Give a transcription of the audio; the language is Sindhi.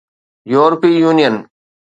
يورپي يونين